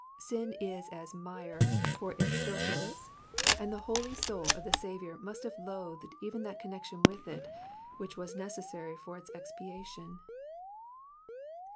Sin is as mire for its filthiness, and the holy soul of the Saviour must have loathed even that connection with it which was necessary for its expiation.